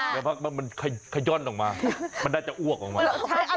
เพราะว่ามันไข่ย่อนออกมามันได้จะอวกออกมา